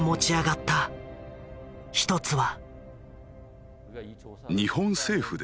一つは。